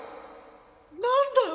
何だよ